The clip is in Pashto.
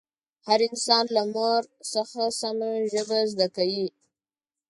هر انسان له مور څخه سمه ژبه زده کوي